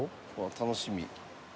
楽しみ。